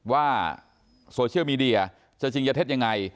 ว่าโซเชียลมีเดียจะจริงจะเท็จยังไง